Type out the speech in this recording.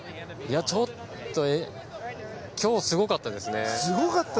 ちょっと今日すごかったですね。